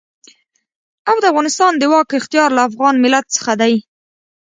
او د افغانستان د واک اختيار له افغان ملت څخه دی.